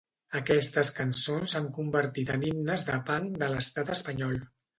Aquestes cançons s'han convertit en himnes del punk de l'Estat espanyol.